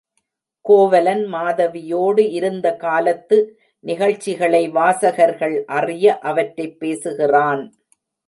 கோவலன் மாதவியோடு இருந்த காலத்து நிகழ்ச்சிகளை வாசகர்கள் அறிய அவற்றைப் பேசுகிறான்.